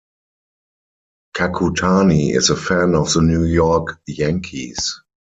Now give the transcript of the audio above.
Kakutani is a fan of the New York Yankees.